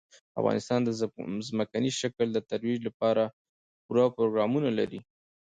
افغانستان د ځمکني شکل د ترویج لپاره پوره پروګرامونه لري.